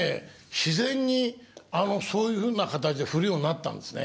自然にそういうふうな形で振るようになったんですね。